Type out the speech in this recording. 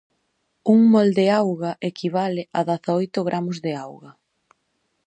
Un mol de auga equivale a dezaoito gramos de auga.